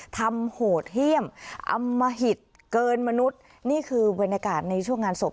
โหดเยี่ยมอำมหิตเกินมนุษย์นี่คือบรรยากาศในช่วงงานศพ